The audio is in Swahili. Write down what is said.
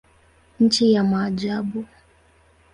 Nchi ya maajabu.